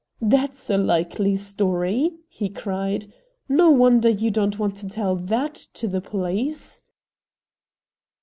"That's a likely story!" he cried. "No wonder you don't want to tell THAT to the police!"